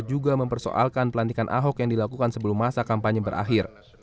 juga mempersoalkan pelantikan ahok yang dilakukan sebelum masa kampanye berakhir